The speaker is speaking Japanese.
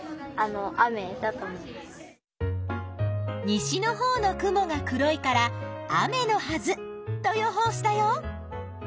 西のほうの雲が黒いから雨のはずと予報したよ。